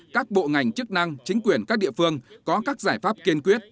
các bộ ngành chức năng chính quyền các địa phương có các giải pháp kiên quyết